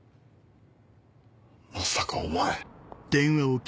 まさかお前。